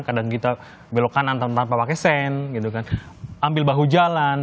kadang kita belokan tanpa pakai sen ambil bahu jalan